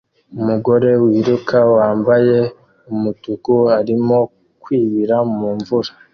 Umugore wiruka wambaye umutuku arimo kwibira mu mvura